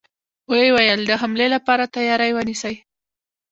و يې ويل: د حملې له پاره تياری ونيسئ!